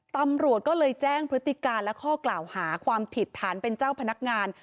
ตำรวจก็เลยแจ้งพฤติการและข้อกล่าวหาความผิดฐานเป็นเจ้าพนักงาน